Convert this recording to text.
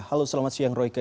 halo selamat siang royke